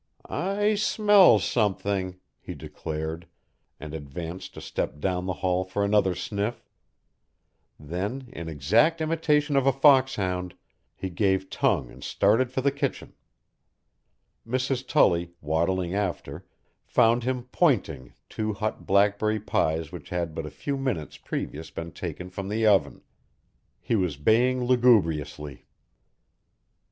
"I smell something," he declared, and advanced a step down the hall for another sniff; then, in exact imitation of a foxhound, he gave tongue and started for the kitchen. Mrs. Tully, waddling after, found him "pointing" two hot blackberry pies which had but a few minutes previous been taken from the oven. He was baying lugubriously.